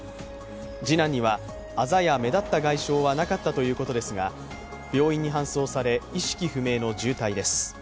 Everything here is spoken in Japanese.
次男にはあざや目立った外傷はなかったということですが病院に搬送され、意識不明の重体です。